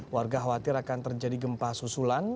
warga khawatir akan terjadi gempa susulan